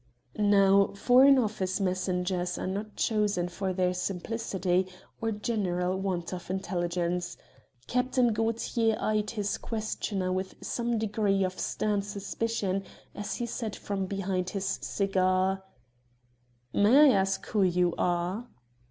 Now, Foreign Office messengers are not chosen for their simplicity or general want of intelligence. Captain Gaultier eyed his questioner with some degree of stern suspicion as he said from behind his cigar "May I ask who you are?"